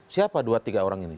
siapa dua tiga orang ini